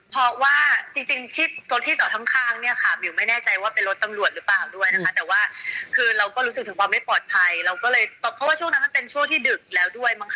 เพราะว่าจริงที่ตัวที่จอดข้างเนี่ยค่ะมิวไม่แน่ใจว่าเป็นรถตำรวจหรือเปล่าด้วยนะคะแต่ว่าคือเราก็รู้สึกถึงความไม่ปลอดภัยเราก็เลยตกเพราะว่าช่วงนั้นมันเป็นช่วงที่ดึกแล้วด้วยมั้ค